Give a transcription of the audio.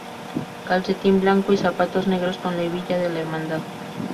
Calcetín blanco y zapatos negros con la hebilla de la hermandad.